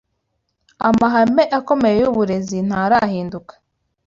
Amahame akomeye y’uburezi ntarahinduka